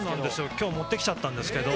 きょう、持ってきちゃったんですけど。